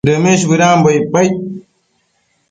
Dëmish bëdambo icpaid